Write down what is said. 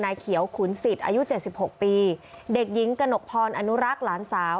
นายเขียวขุนสิทธิ์อายุเจ็ดสิบหกปีเด็กยิ้งกระหนกพรอนุรักษ์หลานสาว